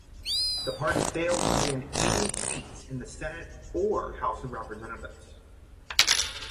The party failed to win any seats in the Senate or House of Representatives.